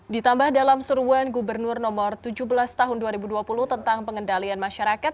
ditambah dalam seruan gubernur nomor tujuh belas tahun dua ribu dua puluh tentang pengendalian masyarakat